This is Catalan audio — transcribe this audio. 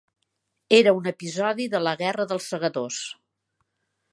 Era un episodi de la Guerra dels Segadors.